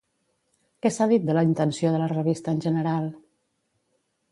Què s'ha dit de la intenció de la revista en general?